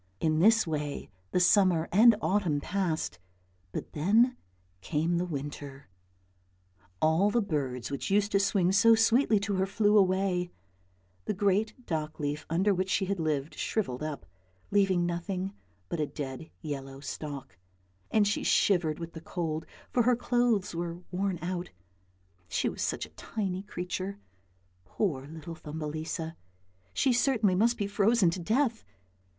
In this way the summer and autumn passed, but then came the winter. All the birds which used to sing so sweetly to her flew away, the great dock leaf under which she had lived shrivelled up, leaving nothing but a dead yellow stalk, and she shivered with the cold, for her clothes were worn out; she was such a tiny creature, poor little Thumbelisa, she certainly must be frozen to death.